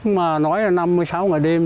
mà nói là năm mươi sáu ngày đêm